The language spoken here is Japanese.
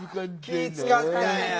気ぃ遣ったんや。